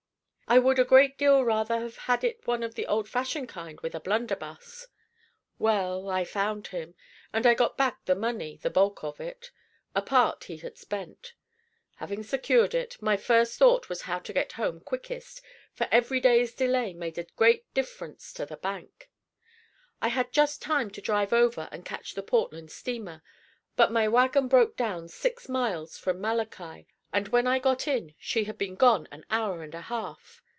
I would a great deal rather have had it one of the old fashioned kind with a blunderbuss. Well, I found him, and I got back the money the bulk of it. A part he had spent. Having secured it, my first thought was how to get home quickest, for every day's delay made a great difference to the bank. I had just time to drive over and catch the Portland steamer, but my wagon broke down six miles from Malachi, and when I got in she had been gone an hour and a half.